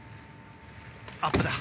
アップだ。